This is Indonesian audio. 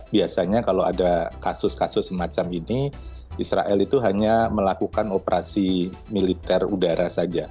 biasanya kalau ada kasus kasus semacam ini israel itu hanya melakukan operasi militer udara saja